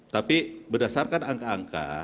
tapi berdasarkan angka angka